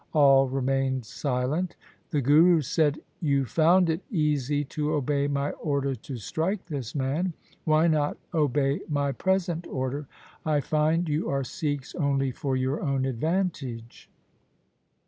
All remained silent. The Guru said, ' You found it easy to obey my order to strike this man. Why not obey my present order ? I find you are Sikhs only for your own advantage.'